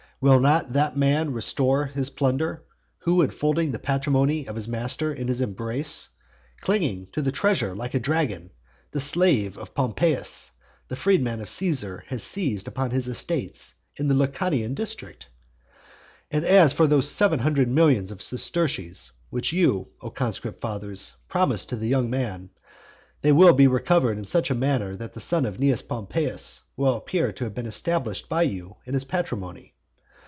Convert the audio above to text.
Will not that man restore his plunder, who enfolding the patrimony of his master in his embrace, clinging to the treasure like a dragon, the slave of Pompeius, the freedman of Caesar, has seized upon his estates in the Lucanian district? And as for those seven hundred millions of sesterces which you, O conscript fathers, promised to the young man, they will be recovered in such a manner that the son of Cnaeus Pompeius will appear to have been established by you in his patrimony.